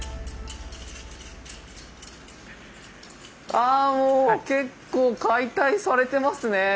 あもう結構解体されてますね。